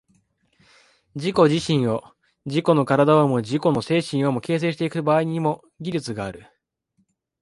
自己自身を、自己の身体をも自己の精神をも、形成してゆく場合にも、技術がある。